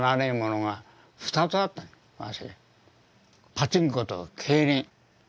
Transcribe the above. パチンコと競輪。